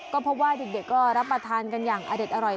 ก็พบว่าเด็กก็รับประทานกันอย่างอเด็ดอร่อย